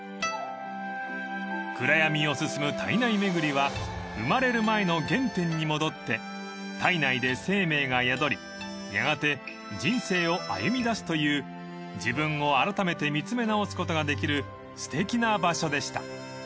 ［暗闇を進む胎内めぐりは生まれる前の原点に戻って胎内で生命が宿りやがて人生を歩みだすという自分をあらためて見つめ直すことができるすてきな場所でした］